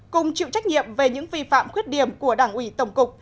cùng chịu trách nhiệm về những vi phạm khuyết điểm của đảng ủy tổng cục